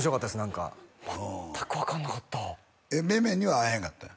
何か全く分かんなかっためめには会えへんかったんや？